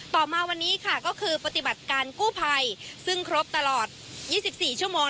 ต่อมาวันนี้ค่ะก็คือปฏิบัติการกู้ภัยซึ่งครบตลอด๒๔ชั่วโมง